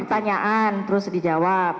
pertanyaan terus dijawab